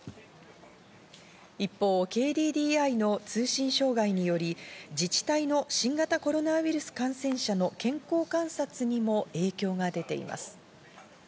一方、ＫＤＤＩの通信障害により自治体の新型コロナウイルス感染者の健康観察にも影響が出ています。